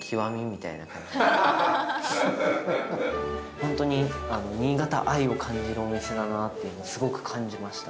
ホントに新潟愛を感じるお店だなっていうのをすごく感じました。